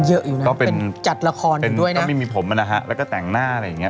เยอะอยู่นะจัดละครอยู่ด้วยนะก็มีผมมานะคะแล้วก็แต่งหน้าอะไรอย่างเงี้ย